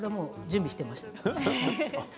準備していました。